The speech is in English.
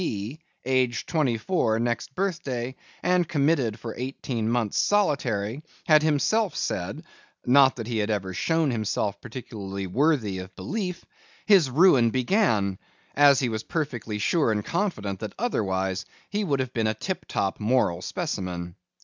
B., aged twenty four next birthday, and committed for eighteen months' solitary, had himself said (not that he had ever shown himself particularly worthy of belief) his ruin began, as he was perfectly sure and confident that otherwise he would have been a tip top moral specimen.